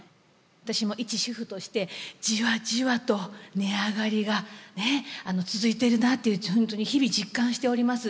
私もいち主婦としてじわじわと値上がりがねえ続いているなと本当に日々実感しております。